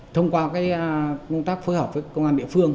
thông qua công tác phối hợp với công an địa phương